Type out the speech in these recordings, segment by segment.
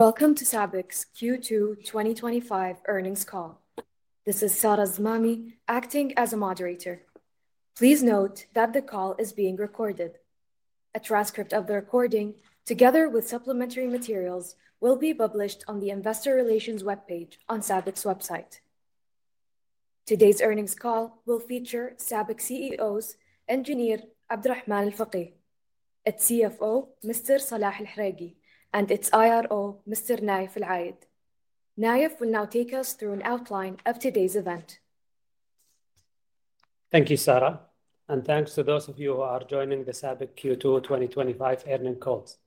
Welcome to SABIC's Q2 2025 earnings call. This is Sarah Alzamami, acting as a moderator. Please note that the call is being recorded. A transcript of the recording, together with supplementary materials, will be published on the Investor Relations webpage on SABIC's website. Today's earnings call will feature SABIC CEO, Engineer Abdulrahman Al-Fageeh, its CFO, Mr. Salah Al-Hareky, and its IRO, Mr. Naif AlAyed. Naif will now take us through an outline of today's event. Thank you, Sarah, and thanks to those of you who are joining the SABIC Q2 2025 earnings calls.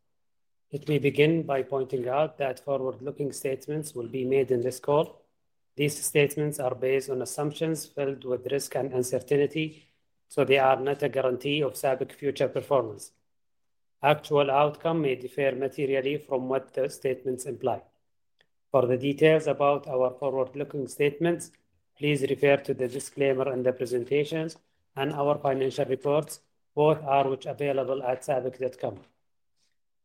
Let me begin by pointing out that forward-looking statements will be made in this call. These statements are based on assumptions filled with risk and uncertainty, so they are not a guarantee of SABIC's future performance. Actual outcome may differ materially from what the statements imply. For the details about our forward-looking statements, please refer to the disclaimer in the presentations and our financial reports, both are available at sabic.com.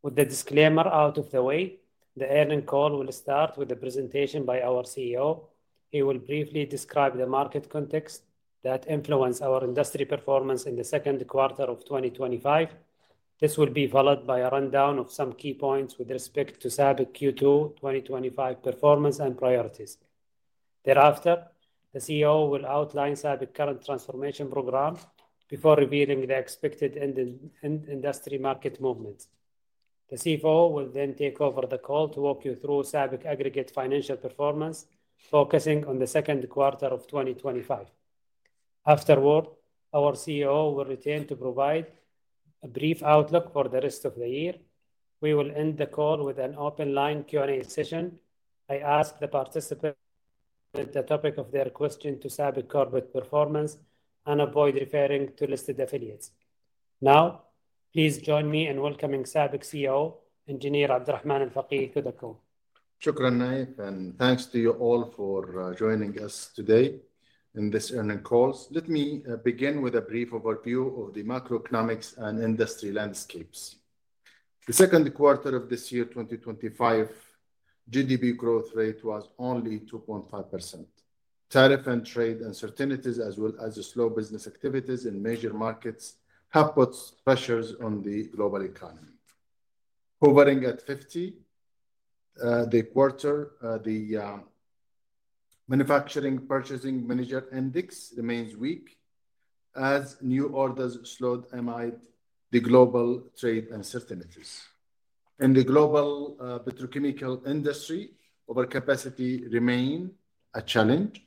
With the disclaimer out of the way, the earnings call will start with a presentation by our CEO. He will briefly describe the market context that influenced our industry performance in the second quarter of 2025. This will be followed by a rundown of some key points with respect to SABIC Q2 2025 performance and priorities. Thereafter, the CEO will outline SABIC's current transformation programs before revealing the expected industry market movements. The CFO will then take over the call to walk you through SABIC's aggregate financial performance, focusing on the second quarter of 2025. Afterward, our CEO will return to provide a brief outlook for the rest of the year. We will end the call with an open line Q&A session. I ask the participants to relate the topic of their question to SABIC's corporate performance and avoid referring to listed affiliates. Now, please join me in welcoming SABIC CEO, Engineer Abdulrahman Al-Fageeh, to the call. Shukran, Naif, and thanks to you all for joining us today in this earnings call. Let me begin with a brief overview of the macroeconomics and industry landscapes. The second quarter of this year's 2025 GDP growth rate was only 2.5%. Tariff and trade uncertainties, as well as slow business activities in major markets, have put pressures on the global economy. Hovering at 50, the quarterly Manufacturing Purchasing Manager Index remains weak as new orders slowed amid the global trade uncertainties. In the global petrochemical industry, overcapacity remains a challenge.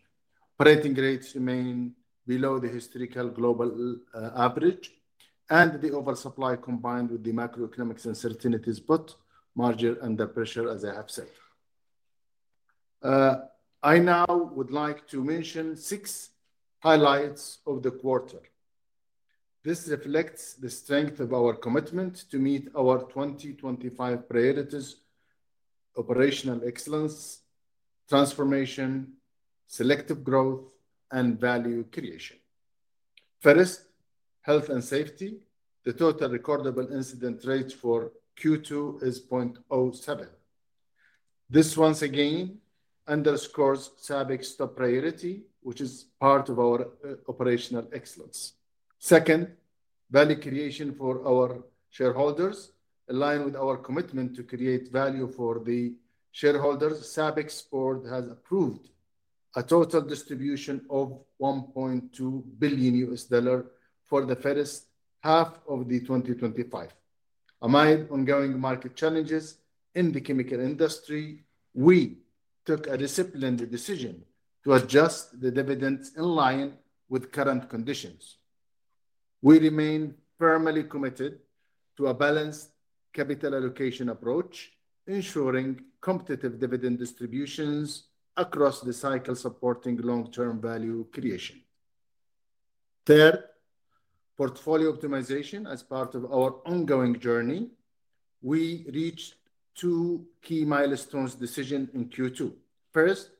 Operating rates remain below the historical global average, and the oversupply combined with the macroeconomic uncertainties put margins under pressure, as I have said. I now would like to mention six highlights of the quarter. This reflects the strength of our commitment to meet our 2025 priorities: operational excellence, transformation, selective growth, and value creation. First, health and safety. The total recordable incident rate for Q2 is 0.07. This once again underscores SABIC's top priority, which is part of our operational excellence. Second, value creation for our shareholders. Aligned with our commitment to create value for the shareholders, SABIC's board has approved a total distribution of $1.2 billion for the first half of 2025. Amid ongoing market challenges in the chemical industry, we took a disciplined decision to adjust the dividends in line with current conditions. We remain firmly committed to a balanced capital allocation approach, ensuring competitive dividend distributions across the cycle, supporting long-term value creation. Third, portfolio optimization as part of our ongoing journey. We reached two key milestone decisions in Q2. First,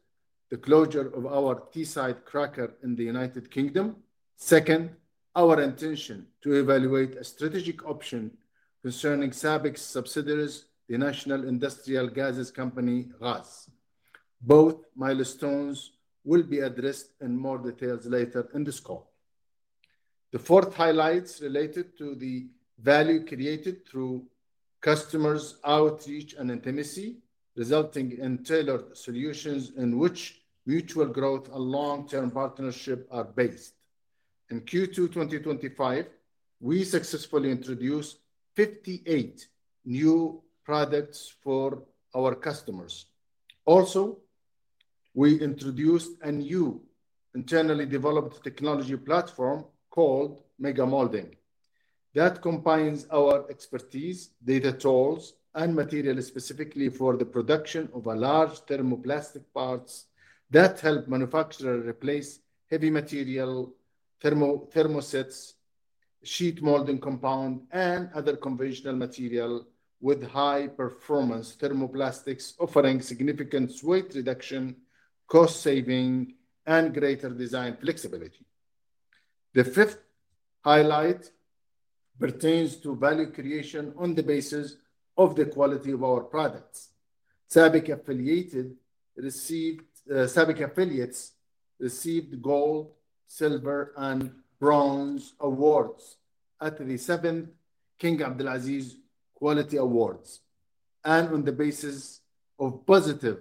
the closure of our Teesside cracker in the United Kingdom. Second, our intention to evaluate a strategic option concerning SABIC's subsidiary, the National Industrial Gases Company. Both milestones will be addressed in more detail later in this call. The fourth highlight is related to the value created through customers' outreach and intimacy, resulting in tailored solutions in which mutual growth and long-term partnership are based. In Q2 2025, we successfully introduced 58 new products for our customers. Also, we introduced a new internally developed technology platform called Mega Molding that combines our expertise, data tools, and materials specifically for the production of large thermoplastic parts that help manufacturers replace heavy material, thermosets, sheet molding compounds, and other conventional materials with high-performance thermoplastics, offering significant weight reduction, cost saving, and greater design flexibility. The fifth highlight pertains to value creation on the basis of the quality of our products. SABIC affiliates received Gold, Silver, and Bronze awards at the seventh King Abdulaziz Quality Awards. On the basis of positive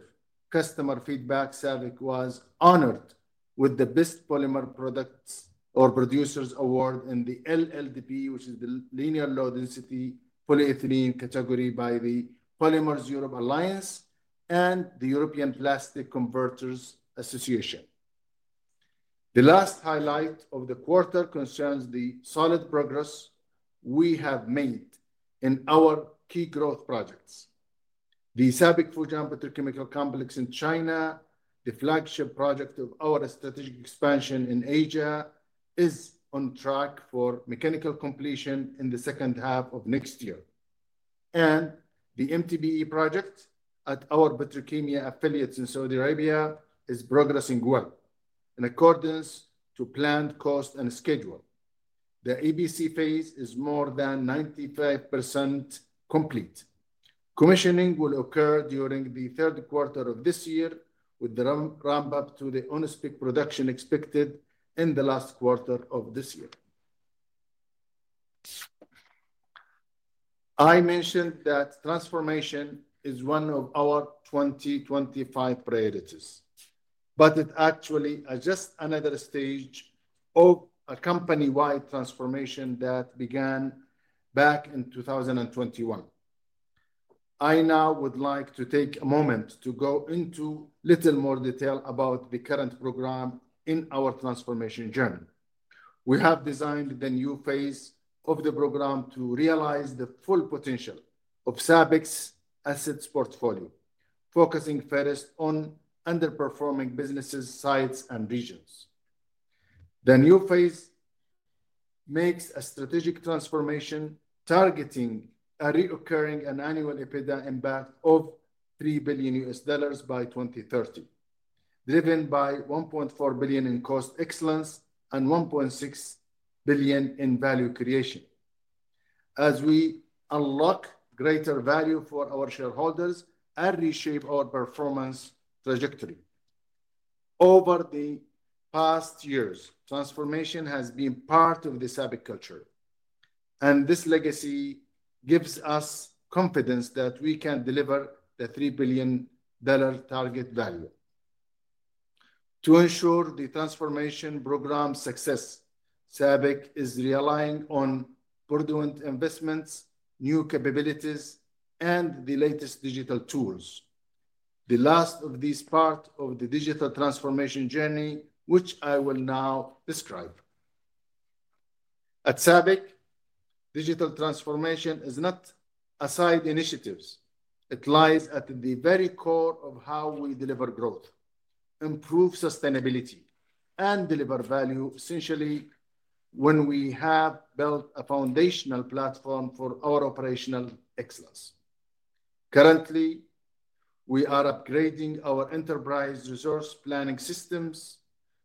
customer feedback, SABIC was honored with the Best Polymer Products or Producers Award in the LLDP, which is the Linear Low Density Polyethylene category by the Polymers Europe Alliance and the European Plastics Converters Association. The last highlight of the quarter concerns the solid progress we have made in our key growth projects. The SABIC Fujian Petrochemical Complex in China, the flagship project of our strategic expansion in Asia, is on track for mechanical completion in the second half of next year. The MTBE project at our Petrochemia affiliates in Saudi Arabia is progressing well in accordance to planned cost and schedule. The ABC phase is more than 95% complete. Commissioning will occur during the third quarter of this year, with the ramp-up to the on-spec production expected in the last quarter of this year. I mentioned that transformation is one of our 2025 priorities, but it actually is just another stage of a company-wide transformation that began back in 2021. I now would like to take a moment to go into a little more detail about the current program in our transformation journey. We have designed the new phase of the program to realize the full potential of SABIC's assets portfolio, focusing first on underperforming businesses, sites, and regions. The new phase makes a strategic transformation targeting a reoccurring annual EBITDA in about $3 billion by 2030, driven by $1.4 billion in cost excellence and $1.6 billion in value creation, as we unlock greater value for our shareholders and reshape our performance trajectory. Over the past years, transformation has been part of the SABIC culture. This legacy gives us confidence that we can deliver the $3 billion target value. To ensure the transformation program's success, SABIC is relying on prudent investments, new capabilities, and the latest digital tools. The last of these is part of the digital transformation journey, which I will now describe. At SABIC, digital transformation is not a side initiative. It lies at the very core of how we deliver growth, improve sustainability, and deliver value, essentially when we have built a foundational platform for our operational excellence. Currently, we are upgrading our enterprise resource planning systems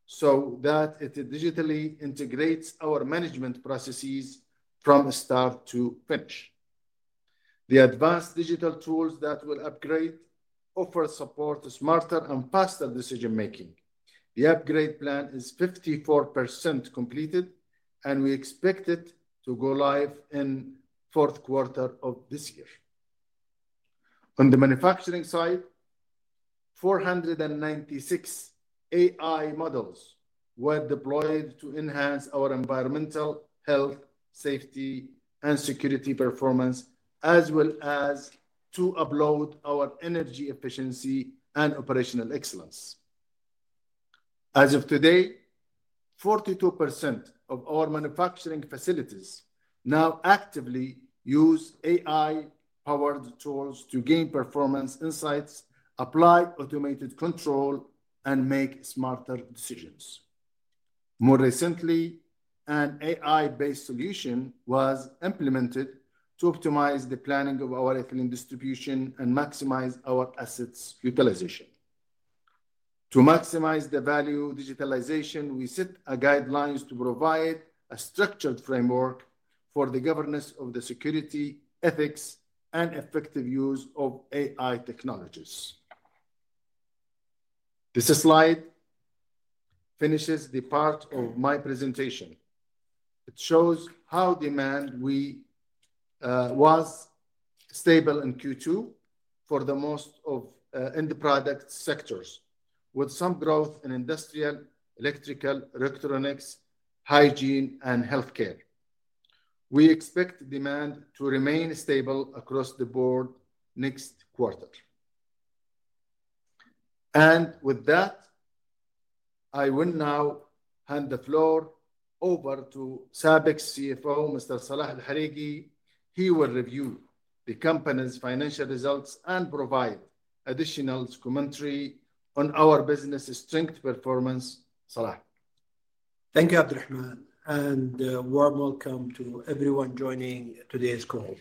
so that it digitally integrates our management processes from start to finish. The advanced digital tools that we will upgrade offer support to smarter and faster decision-making. The upgrade plan is 54% completed, and we expect it to go live in the fourth quarter of this year. On the manufacturing side, 496 AI models were deployed to enhance our environmental, health, safety, and security performance, as well as to uphold our energy efficiency and operational excellence. As of today, 42% of our manufacturing facilities now actively use AI-powered tools to gain performance insights, apply automated control, and make smarter decisions. More recently, an AI-based solution was implemented to optimize the planning of our equity distribution and maximize our assets utilization. To maximize the value of digitalization, we set guidelines to provide a structured framework for the governance of the security, ethics, and effective use of AI technologies. This slide finishes the part of my presentation. It shows how demand was stable in Q2 for most of the product sectors, with some growth in industrial, electrical, electronics, hygiene, and healthcare. We expect demand to remain stable across the board next quarter. With that, I will now hand the floor over to SABIC's CFO, Mr. Salah Al-Hareky. He will review the company's financial results and provide additional commentary on our business's strength performance. Salah. Thank you, Abdulrahman, and a warm welcome to everyone joining today's call.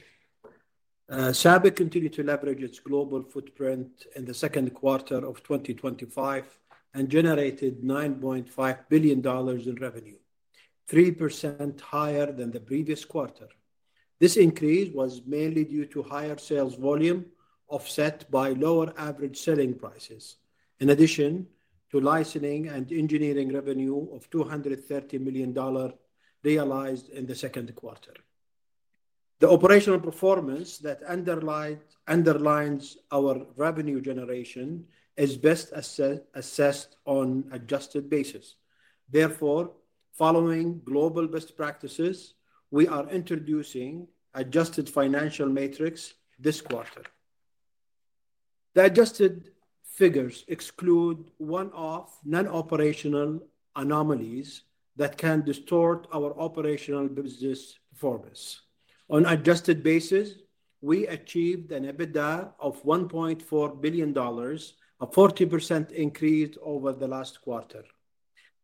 SABIC continues to leverage its global footprint in the second quarter of 2025 and generated $9.5 billion in revenue, 3% higher than the previous quarter. This increase was mainly due to higher sales volume offset by lower average selling prices, in addition to licensing and engineering revenue of $230 million realized in the second quarter. The operational performance that underlines our revenue generation is best assessed on an adjusted basis. Therefore, following global best practices, we are introducing an adjusted financial matrix this quarter. The adjusted figures exclude one-off non-operational anomalies that can distort our operational business performance. On an adjusted basis, we achieved an EBITDA of $1.4 billion, a 40% increase over the last quarter.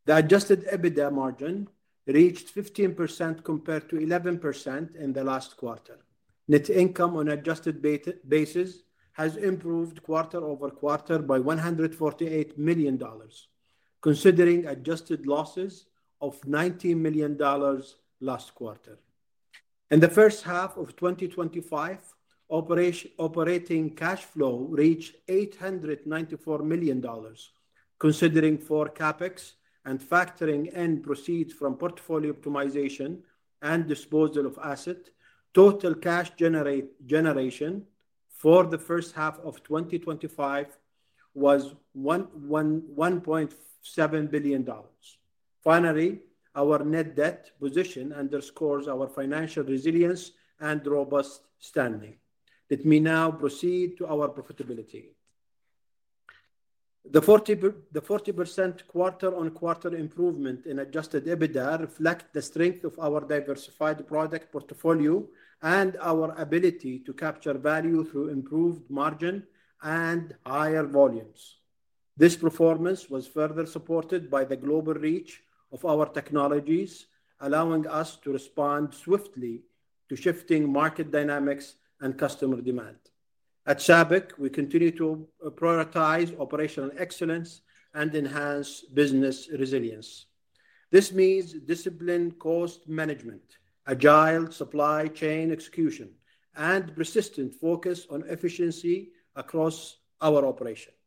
The adjusted EBITDA margin reached 15% compared to 11% in the last quarter. Net income on an adjusted basis has improved quarter over quarter by $148 million, considering adjusted losses of $19 million last quarter. In the first half of 2025, operating cash flow reached $894 million. Considering for CapEx and factoring in proceeds from portfolio optimization and disposal of assets, total cash generation for the first half of 2025 was $1.7 billion. Finally, our net debt position underscores our financial resilience and robust standing. Let me now proceed to our profitability. The 40% quarter-on-quarter improvement in adjusted EBITDA reflects the strength of our diversified product portfolio and our ability to capture value through improved margin and higher volumes. This performance was further supported by the global reach of our technologies, allowing us to respond swiftly to shifting market dynamics and customer demand. At SABIC, we continue to prioritize operational excellence and enhance business resilience. This means disciplined cost management, agile supply chain execution, and persistent focus on efficiency across our operations.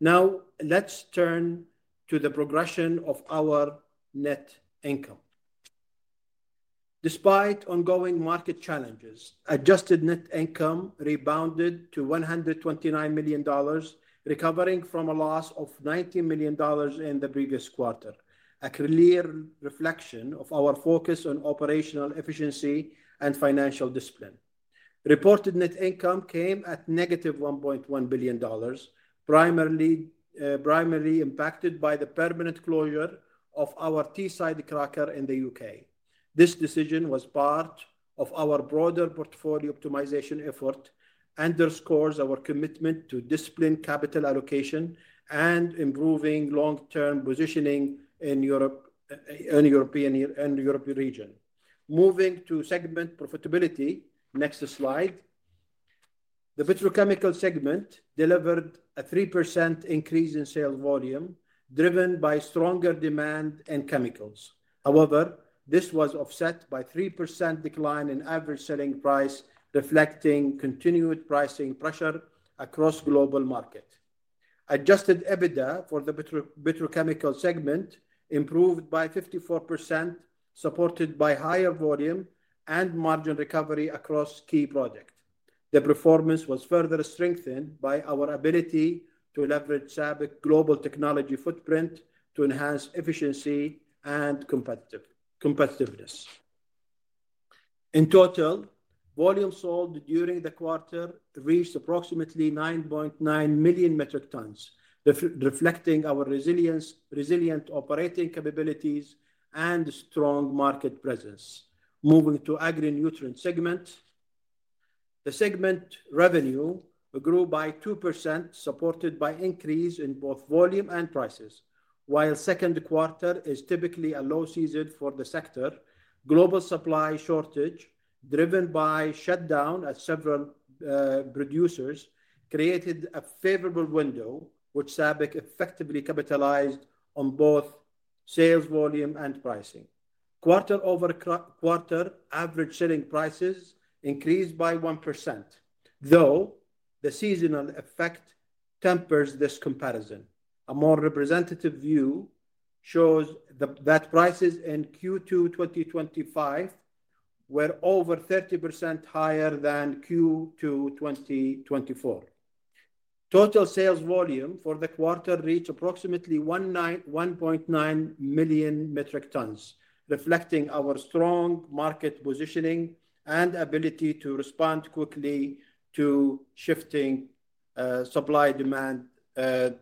Now, let's turn to the progression of our net income. Despite ongoing market challenges, adjusted net income rebounded to $129 million, recovering from a loss of $90 million in the previous quarter, a clear reflection of our focus on operational efficiency and financial discipline. Reported net income came at negative $1.1 billion, primarily impacted by the permanent closure of our Teesside cracker in the United Kingdom. This decision was part of our broader portfolio optimization effort, underscores our commitment to disciplined capital allocation and improving long-term positioning in the European region. Moving to segment profitability, next slide, the petrochemical segment delivered a 3% increase in sales volume, driven by stronger demand in chemicals. However, this was offset by a 3% decline in average selling price, reflecting continued pricing pressure across the global market. Adjusted EBITDA for the petrochemical segment improved by 54%, supported by higher volume and margin recovery across key products. The performance was further strengthened by our ability to leverage SABIC's global technology footprint to enhance efficiency and competitiveness. In total, volume sold during the quarter reached approximately 9.9 million metric tons, reflecting our resilient operating capabilities and strong market presence. Moving to the agri-nutrient segment, the segment revenue grew by 2%, supported by an increase in both volume and prices. While the second quarter is typically a low season for the sector, global supply shortage, driven by shutdowns at several producers, created a favorable window, which SABIC effectively capitalized on both sales volume and pricing. Quarter-over-quarter average selling prices increased by 1%, though the seasonal effect tempers this comparison. A more representative view shows that prices in Q2 2025 were over 30% higher than Q2 2024. Total sales volume for the quarter reached approximately 1.9 million metric tons, reflecting our strong market positioning and ability to respond quickly to shifting supply-demand dynamics.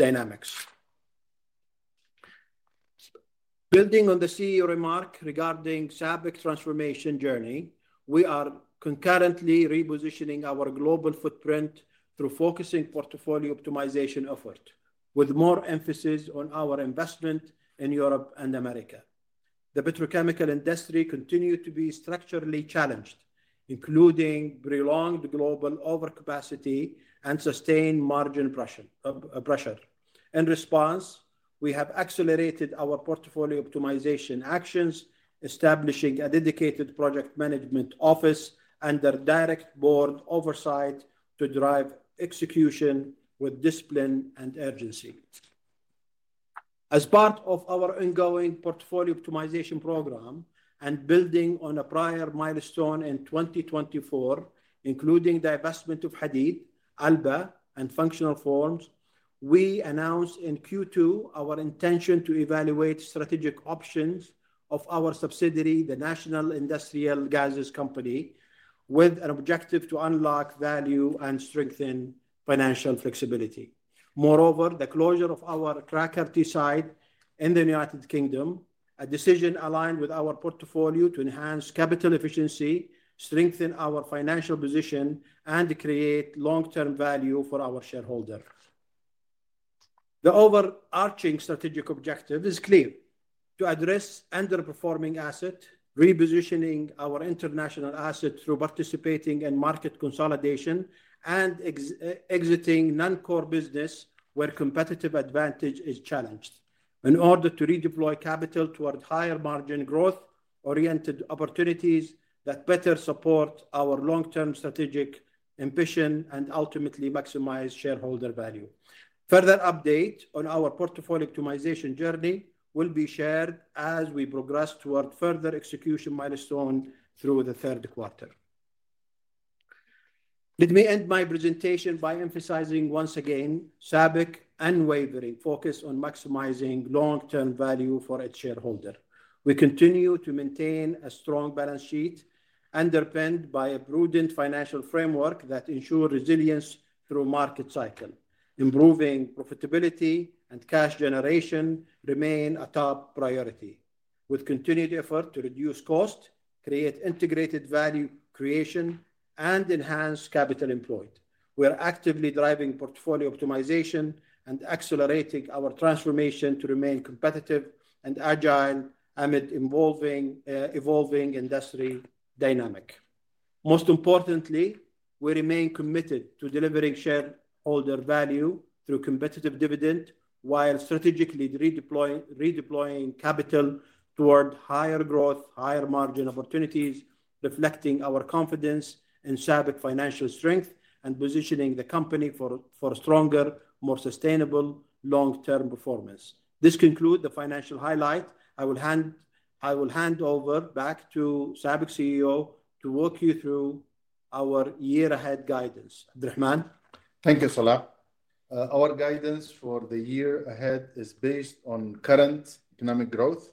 Building on the CEO remark regarding SABIC's transformation journey, we are concurrently repositioning our global footprint through focusing portfolio optimization efforts, with more emphasis on our investment in Europe and America. The petrochemical industry continues to be structurally challenged, including prolonged global overcapacity and sustained margin pressure. In response, we have accelerated our portfolio optimization actions, establishing a dedicated project management office under direct board oversight to drive execution with discipline and urgency. As part of our ongoing portfolio optimization program and building on a prior milestone in 2024, including the investment of Hadeed, Alba, and functional forms, we announced in Q2 our intention to evaluate strategic options of our subsidiary, the National Industrial Gases Company, with an objective to unlock value and strengthen financial flexibility. Moreover, the closure of our cracker Teesside in the United Kingdom is a decision aligned with our portfolio to enhance capital efficiency, strengthen our financial position, and create long-term value for our shareholders. The overarching strategic objective is clear: to address underperforming assets, repositioning our international assets through participating in market consolidation, and exiting non-core businesses where competitive advantage is challenged, in order to redeploy capital toward higher margin growth-oriented opportunities that better support our long-term strategic ambition and ultimately maximize shareholder value. Further updates on our portfolio optimization journey will be shared as we progress toward further execution milestones through the third quarter. Let me end my presentation by emphasizing once again SABIC's unwavering focus on maximizing long-term value for its shareholders. We continue to maintain a strong balance sheet underpinned by a prudent financial framework that ensures resilience through market cycles. Improving profitability and cash generation remain a top priority, with continued effort to reduce costs, create integrated value creation, and enhance capital employed. We are actively driving portfolio optimization and accelerating our transformation to remain competitive and agile amid an evolving industry dynamic. Most importantly, we remain committed to delivering shareholder value through competitive dividends, while strategically redeploying capital toward higher growth, higher margin opportunities, reflecting our confidence in SABIC's financial strength and positioning the company for stronger, more sustainable long-term performance. This concludes the financial highlights. I will hand over back to SABIC's CEO to walk you through our year-ahead guidance. Abdulrahman. Thank you, Salah. Our guidance for the year ahead is based on current economic growth,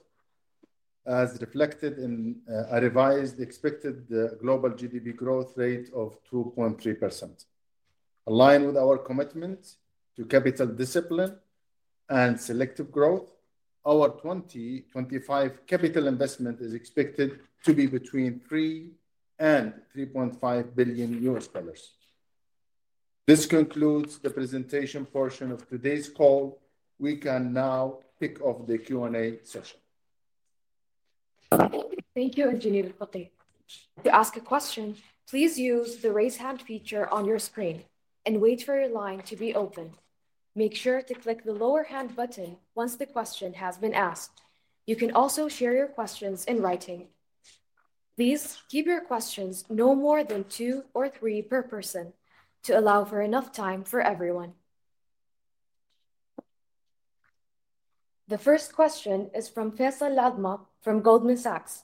as reflected in a revised expected global GDP growth rate of 2.3%. Aligned with our commitment to capital discipline and selective growth, our 2025 capital investment is expected to be between $3 billion and $3.5 billion. This concludes the presentation portion of today's call. We can now kick off the Q&A session. Thank you, Engineer Al-Fageeh. To ask a question, please use the raise hand feature on your screen and wait for your line to be open. Make sure to click the lower hand button once the question has been asked. You can also share your questions in writing. Please keep your questions no more than two or three per person to allow for enough time for everyone. The first question is from Faisal Ladma from Goldman Sachs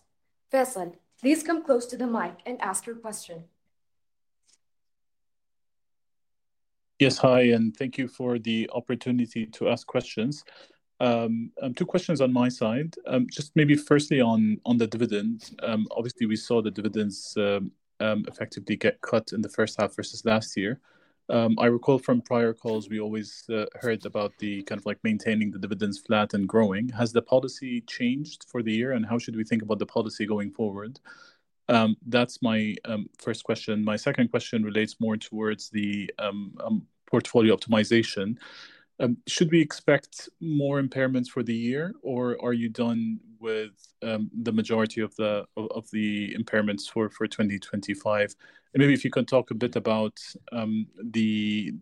Group. Faisal, please come close to the mic and ask your question. Yes, hi, and thank you for the opportunity to ask questions. Two questions on my side. Just maybe firstly on the dividends. Obviously, we saw the dividends effectively get cut in the first half versus last year. I recall from prior calls we always heard about the kind of like maintaining the dividends flat and growing. Has the policy changed for the year and how should we think about the policy going forward? That's my first question. My second question relates more towards the portfolio optimization. Should we expect more impairments for the year or are you done with the majority of the impairments for 2025? Maybe if you can talk a bit about the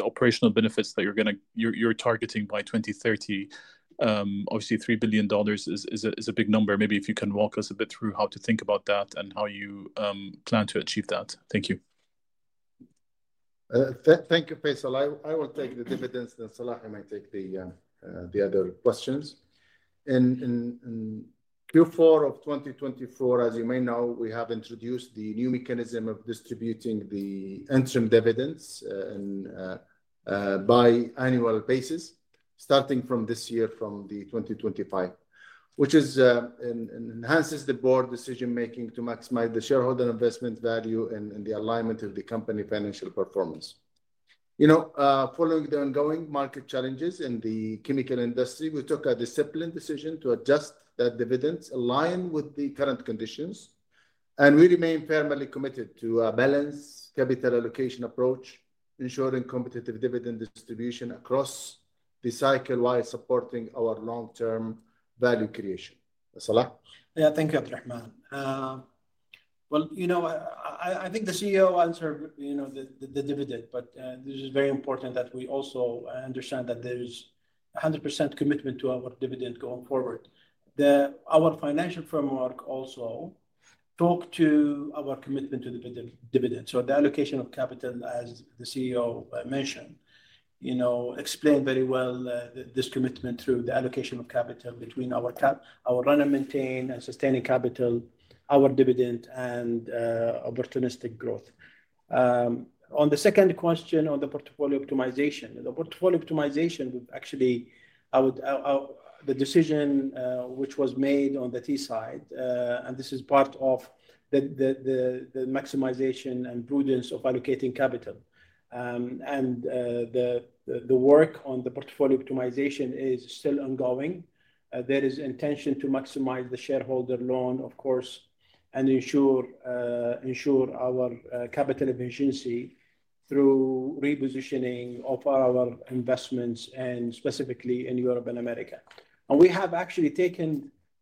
operational benefits that you're going to target by 2030. Obviously, $3 billion is a big number. Maybe if you can walk us a bit through how to think about that and how you plan to achieve that. Thank you. Thank you, Faisal. I will take the dividends, and Salah, he might take the other questions. In Q4 of 2024, as you may know, we have introduced the new mechanism of distributing the interim dividends on a biannual basis, starting from this year from 2025, which enhances the board decision-making to maximize the shareholder investment value and the alignment of the company's financial performance. Following the ongoing market challenges in the chemical industry, we took a disciplined decision to adjust the dividends aligned with the current conditions, and we remain firmly committed to a balanced capital allocation approach, ensuring competitive dividend distribution across the cycle while supporting our long-term value creation. Salah? Thank you, Abdulrahman. I think the CEO answered the dividend, but it is very important that we also understand that there is a 100% commitment to our dividend going forward. Our financial framework also talks to our commitment to the dividend. The allocation of capital, as the CEO mentioned, explained very well this commitment through the allocation of capital between our run and maintain and sustaining capital, our dividend, and opportunistic growth. On the second question on the portfolio optimization, the portfolio optimization actually, the decision which was made on the Teesside, this is part of the maximization and prudence of allocating capital. The work on the portfolio optimization is still ongoing. There is an intention to maximize the shareholder loan, of course, and ensure our capital efficiency through repositioning of our investments, specifically in Europe and America. We have actually taken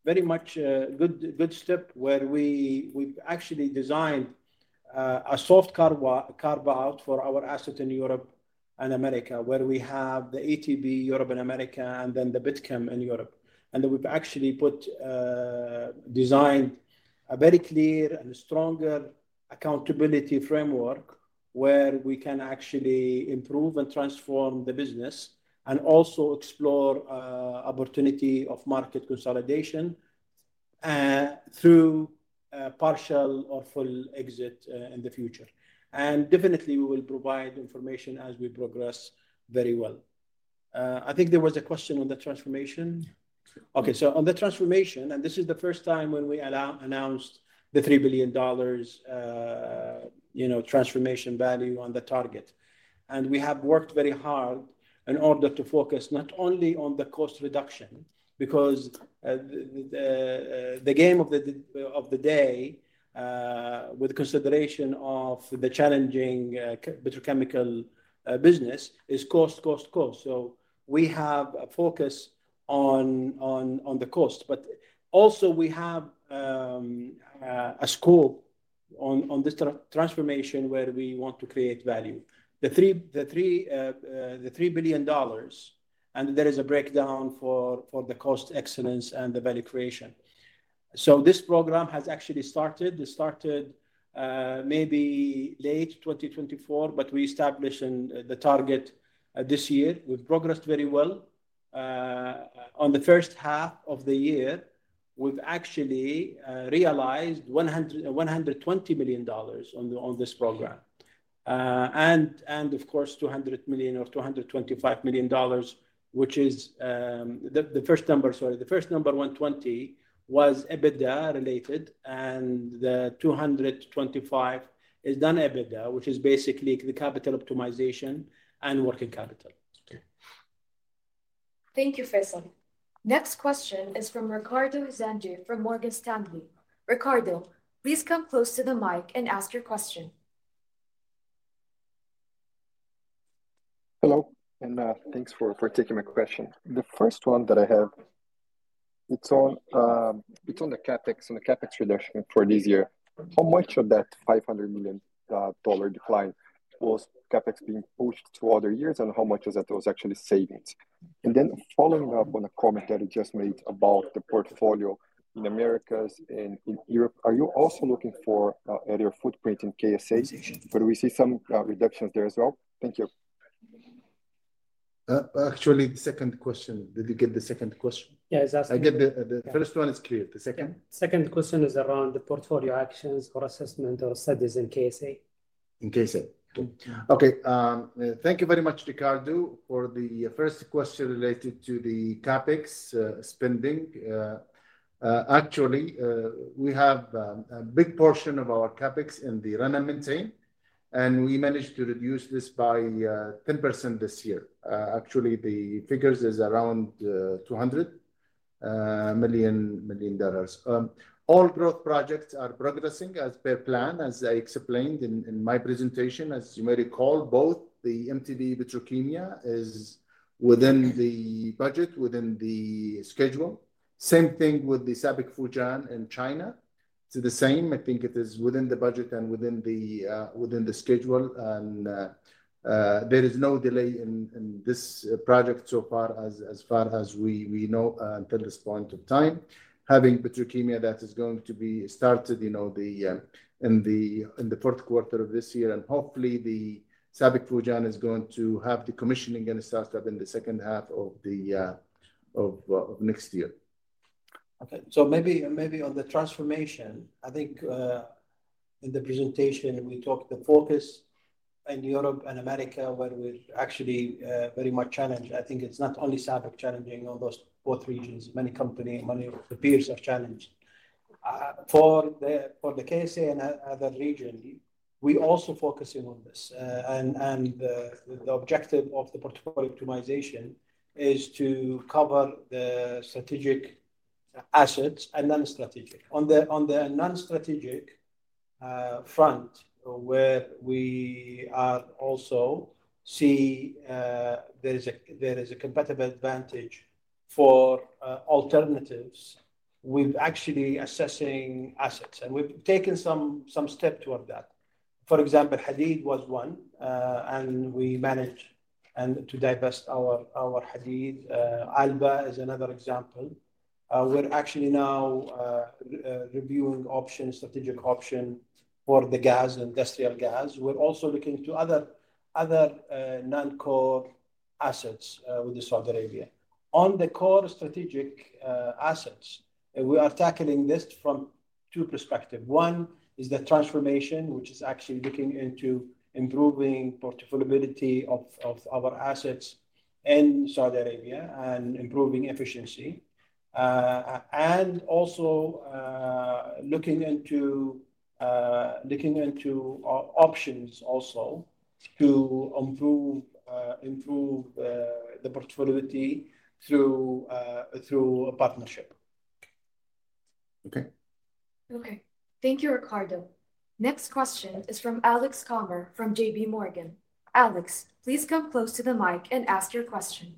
a very much good step where we've actually designed a soft carve-out for our assets in Europe and America, where we have the ETB in Europe and America, and then the Bitcom in Europe. We've actually designed a very clear and stronger accountability framework where we can actually improve and transform the business and also explore opportunity of market consolidation through a partial or full exit in the future. We will provide information as we progress very well. I think there was a question on the transformation. On the transformation, this is the first time when we announced the $3 billion transformation value on the target. We have worked very hard in order to focus not only on the cost reduction because the game of the day, with the consideration of the challenging petrochemical business, is cost, cost, cost. We have a focus on the cost, but also we have a scope on this transformation where we want to create value. The $3 billion, and there is a breakdown for the cost excellence and the value creation. This program has actually started. It started maybe late 2024, but we established the target this year. We've progressed very well. In the first half of the year, we've actually realized $120 million on this program. Of course, $200 million or $225 million, which is the first number, sorry, the first number, $120 million was EBITDA related, and the $225 million is non-EBITDA, which is basically the capital optimization and working capital. Thank you, Faisal. Next question is from Ricardo Rezende from Morgan Stanley. Ricardo, please come close to the mic and ask your question. Hello, and thanks for taking my question. The first one that I have, it's on the CapEx and the CapEx reduction for this year. How much of that $500 million decline was CapEx being pushed to other years, and how much of that was actually savings? Following up on a comment that you just made about the portfolio in the Americas and in Europe, are you also looking at your footprint in Saudi Arabia? We see some reductions there as well. Thank you. Actually, the second question, did you get the second question? Yeah, I got the first one. It's clear. The second question is around the portfolio actions or assessment or studies in Saudi Arabia. In Saudi Arabia. Okay. Thank you very much, Ricardo, for the first question related to the CapEx spending. Actually, we have a big portion of our CapEx in the run and maintain, and we managed to reduce this by 10% this year. Actually, the figure is around $200 million. All growth projects are progressing as per plan, as I explained in my presentation. As you may recall, both the MTBE project at Petrochemia is within the budget, within the schedule. Same thing with the SABIC Fujian in China. It's the same. I think it is within the budget and within the schedule, and there is no delay in this project so far, as far as we know until this point of time. Having Petrochemia that is going to be started, you know, in the fourth quarter of this year, and hopefully, the SABIC Fujian is going to have the commissioning and startup in the second half of next year. Okay. Maybe on the transformation, I think in the presentation, we talked about the focus in Europe and America where we're actually very much challenged. I think it's not only SABIC challenging on those regions. Many companies, many peers have challenged. For the KSA and other regions, we're also focusing on this. The objective of the portfolio optimization is to cover the strategic assets and non-strategic. On the non-strategic front, where we are also seeing there is a competitive advantage for alternatives, we're actually assessing assets. We've taken some steps toward that. For example, Hadeed was one, and we managed to divest our Hadeed. Alba is another example. We're actually now reviewing options, strategic options for the gas, industrial gas. We're also looking into other non-core assets within Saudi Arabia. On the core strategic assets, we are tackling this from two perspectives. One is the transformation, which is actually looking into improving the profitability of our assets in Saudi Arabia and improving efficiency, and also looking into options also to improve the profitability through a partnership. Okay. Okay. Thank you, Ricardo. Next question is from Alex Comer from JPMorgan Alex, please come close to the mic and ask your question.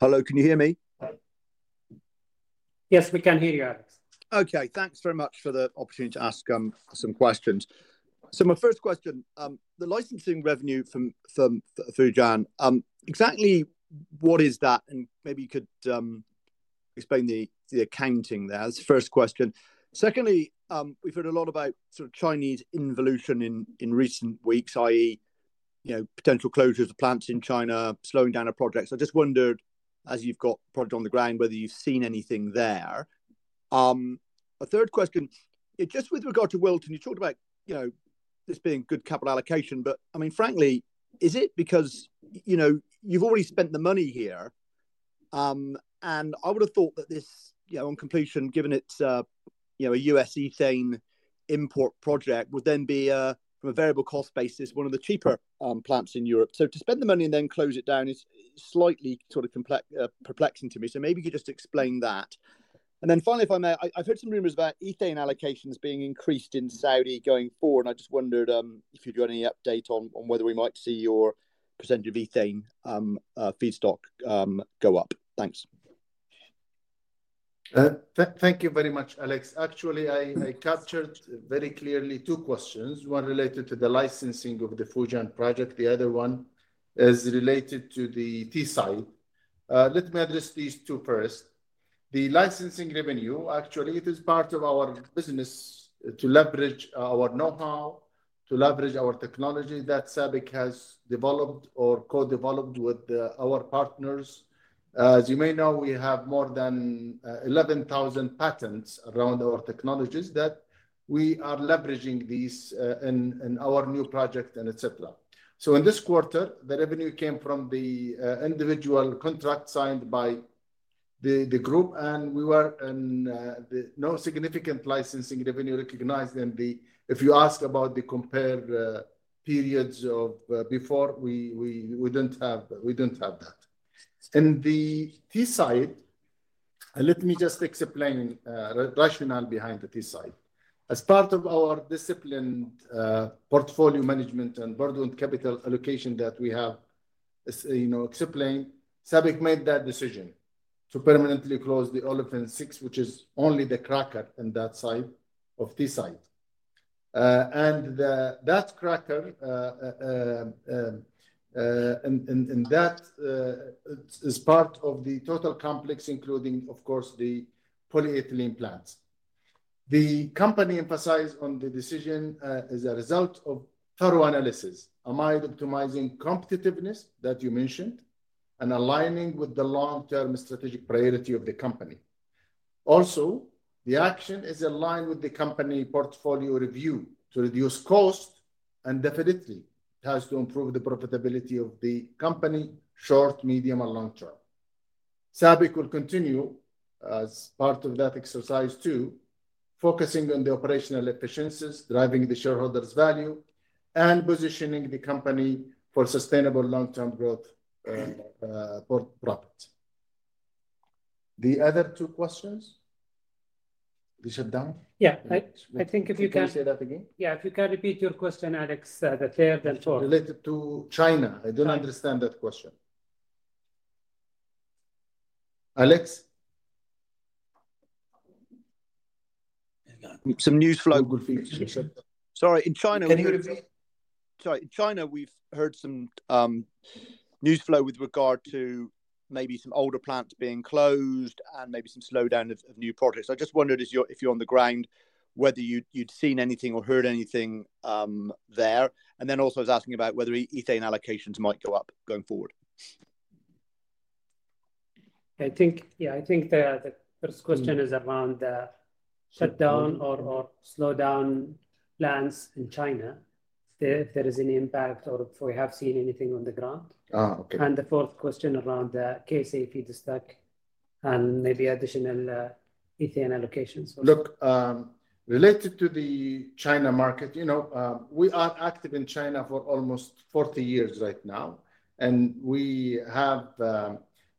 Hello. Can you hear me? Yes, we can hear you, Alex. Okay. Thanks very much for the opportunity to ask some questions. My first question, the licensing revenue from the Fujian, exactly what is that? Maybe you could explain the accounting there. That's the first question. Secondly, we've heard a lot about sort of Chinese involution in recent weeks, i.e., potential closures of plants in China, slowing down our projects. I just wonder, as you've got product on the ground, whether you've seen anything there. A third question, just with regard to Wilton, you talked about this being good capital allocation, but is it because you've already spent the money here? I would have thought that this, on completion, given it's a U.S. ethane import project, would then be, from a variable cost basis, one of the cheaper plants in Europe. To spend the money and then close it down is slightly perplexing to me. Maybe you could just explain that. Finally, if I may, I've heard some rumors about ethane allocations being increased in Saudi Arabia going forward. I just wondered if you've got any update on whether we might see your percentage of ethane feedstock go up. Thanks. Thank you very much, Alex. Actually, I captured very clearly two questions. One related to the licensing of the SABIC Fujian Petrochemical Complex project. The other one is related to the Teesside. Let me address these two first. The licensing revenue, actually, it is part of our business to leverage our know-how, to leverage our technology that SABIC has developed or co-developed with our partners. As you may know, we have more than 11,000 patents around our technologies that we are leveraging in our new project and et cetera. In this quarter, the revenue came from the individual contracts signed by the group, and we were in no significant licensing revenue recognized. If you ask about the compare periods of before, we don't have that. In the Teesside, let me just explain the rationale behind the Teesside. As part of our disciplined portfolio management and burdened capital allocation that we have explained, SABIC made that decision to permanently close the Olefins 6, which is only the cracker in that side of Teesside. That cracker is part of the total complex, including, of course, the polyethylene plants. The company emphasized on the decision as a result of thorough analysis, amid optimizing competitiveness that you mentioned, and aligning with the long-term strategic priority of the company. Also, the action is aligned with the company portfolio review to reduce costs and definitely has to improve the profitability of the company short, medium, and long term. SABIC will continue as part of that exercise too, focusing on the operational efficiencies, driving the shareholders' value, and positioning the company for sustainable long-term growth for profits. The other two questions, they shut down. Can you say that again? Yeah, if you can repeat your question, Alex, they have been talking... Related to China, I don't understand that question. Alex? Some news flow. Sorry. In China, we've heard some news flow with regard to maybe some older plants being closed and maybe some slowdown of new products. I just wondered if you're on the ground, whether you'd seen anything or heard anything there. I was also asking about whether ethane allocations might go up going forward. Yeah, I think the first question is around the shutdown or slowdown plants in China, if there is any impact or if we have seen anything on the ground. okay. The fourth question is around the KSA feedstock and maybe additional ethane allocations. Look, related to the China market, you know, we are active in China for almost 40 years right now. We have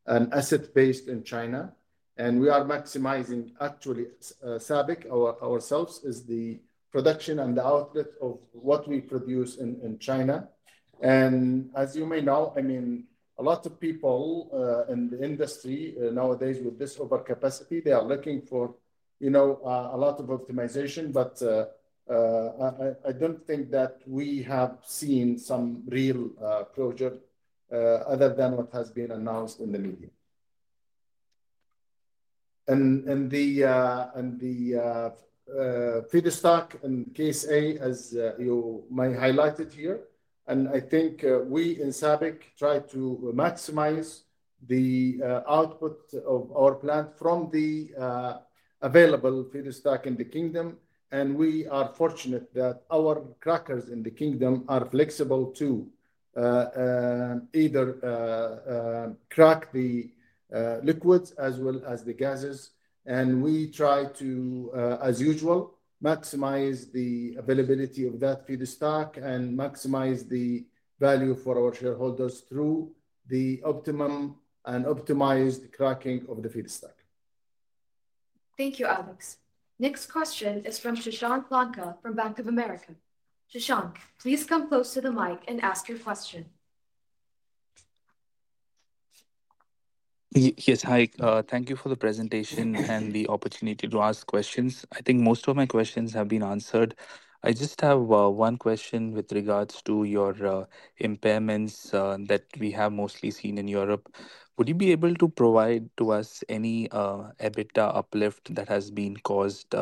an asset base in China, and we are maximizing, actually, SABIC ourselves is the production and the output of what we produce in China. As you may know, a lot of people in the industry nowadays with this overcapacity are looking for a lot of optimization, but I don't think that we have seen some real closure other than what has been announced in the media. The feedstock in Saudi Arabia, as you may highlight it here, and I think we in SABIC try to maximize the output of our plant from the available feedstock in the kingdom. We are fortunate that our crackers in the kingdom are flexible to either crack the liquids as well as the gases. We try to, as usual, maximize the availability of that feedstock and maximize the value for our shareholders through the optimum and optimized cracking of the feedstock. Thank you, Alex. Next question is from Sashank Lanka from Bank of America. Sashank, please come close to the mic and ask your question. Yes, hi. Thank you for the presentation and the opportunity to ask questions. I think most of my questions have been answered. I just have one question with regards to your impairments that we have mostly seen in Europe. Would you be able to provide to us any EBITDA uplift that has been caused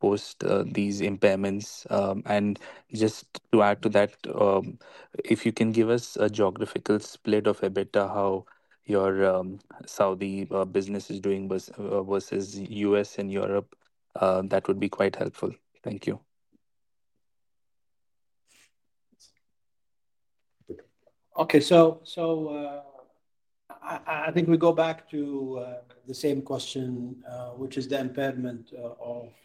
post these impairments? If you can give us a geographical split of EBITDA, how your Saudi business is doing versus the U.S. and Europe, that would be quite helpful. Thank you. Okay, so I think we go back to the same question, which is the impairment of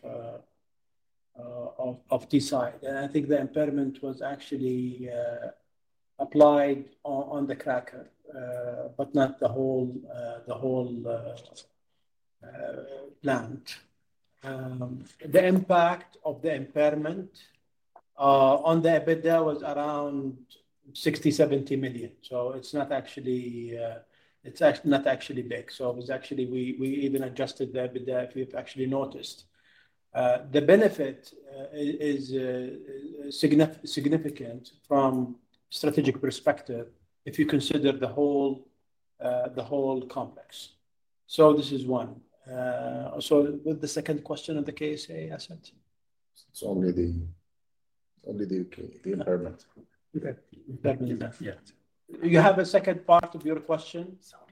Teesside. I think the impairment was actually applied on the cracker, but not the whole plant. The impact of the impairment on the EBITDA was around $60 million, $70 million, so it's not actually big. It was actually, we even adjusted the EBITDA if you've actually noticed. The benefit is significant from a strategic perspective if you consider the whole complex. This is one. With the second question on the KSA asset. It's only the impairment. Okay, you have a second part of your question, Salah?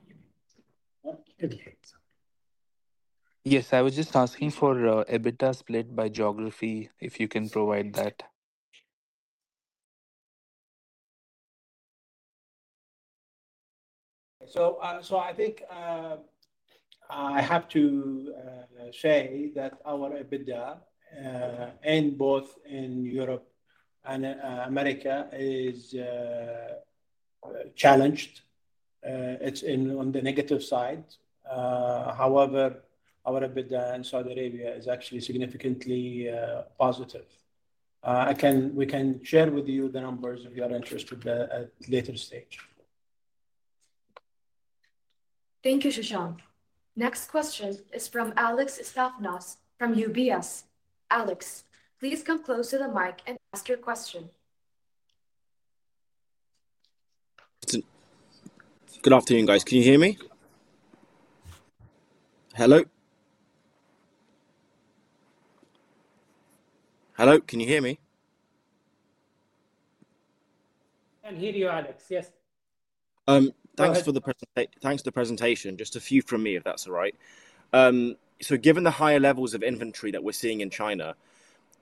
Yes, I was just asking for EBITDA split by geography, if you can provide that. I think I have to say that our EBITDA in both Europe and America is challenged. It's on the negative side. However, our EBITDA in Saudi Arabia is actually significantly positive. We can share with you the numbers if you are interested at a later stage. Thank you, Sashank. Next question is from Alex Estefanous from UBS. Alex, please come close to the mic and ask your question. Good afternoon, guys. Can you hear me? Hello? Can you hear me? Can hear you, Alex. Yes. Thanks for the presentation. Just a few from me, if that's all right. Given the higher levels of inventory that we're seeing in China,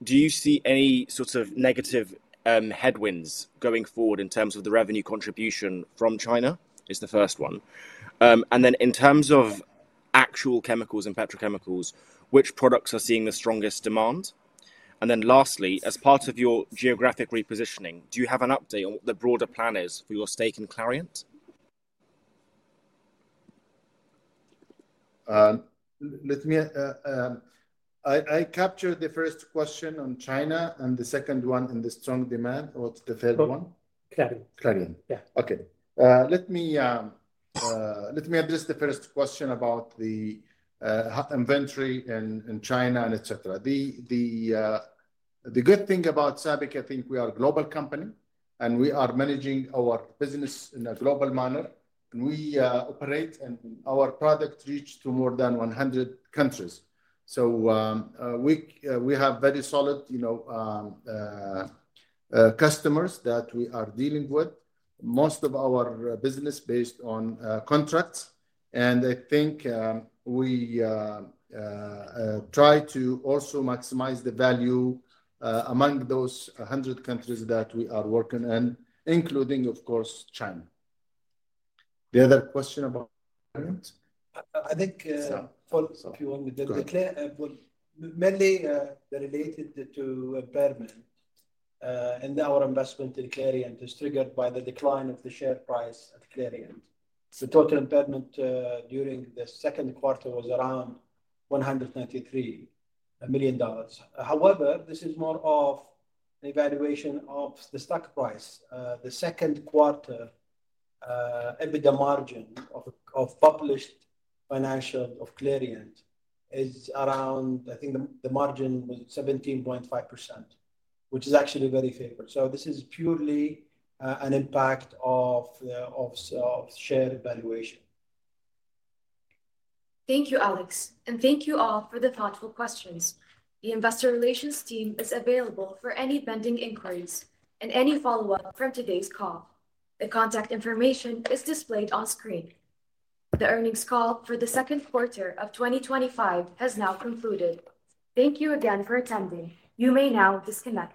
do you see any sort of negative headwinds going forward in terms of the revenue contribution from China? That's the first one. In terms of actual chemicals and petrochemicals, which products are seeing the strongest demand? Lastly, as part of your geographic repositioning, do you have an update on what the broader plan is for your stake in Clariant? Let me, I captured the first question on China and the second one on the strong demand. What's the third one? Clariant. Okay. Let me address the first question about the inventory in China, et cetera. The good thing about SABIC, I think we are a global company, and we are managing our business in a global manner. We operate, and our product reaches to more than 100 countries. We have very solid customers that we are dealing with. Most of our business is based on contracts. I think we try to also maximize the value among those 100 countries that we are working in, including, of course, China. The other question about... I think, Paul, if you want me to... Sure. Mainly related to impairment in our investment in Clariant is triggered by the decline of the share price at Clariant. The total impairment during the second quarter was around $193 million. However, this is more of an evaluation of the stock price. The second quarter EBITDA margin of published financials of Clariant is around, I think the margin was 17.5%, which is actually very fair. This is purely an impact of share valuation. Thank you, Alex. Thank you all for the thoughtful questions. The Investor Relations team is available for any pending inquiries and any follow-up from today's call. The contact information is displayed on screen. The earnings call for the second quarter of 2025 has now concluded. Thank you again for attending. You may now disconnect.